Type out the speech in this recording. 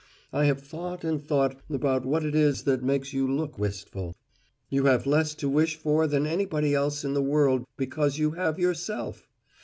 I have thought and thought about what it is that makes you look wistful. You have less to wish for than anybody else in the world because you have Yourself.